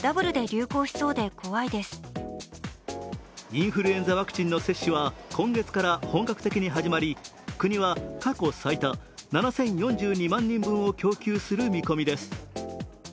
インフルエンザワクチンの接種は今月から本格的に始まり、国は過去最多７０４２万人分を供給する見込みです。